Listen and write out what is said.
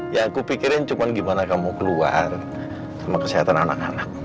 ya aku pikirin cuma gimana kamu keluar sama kesehatan anak anak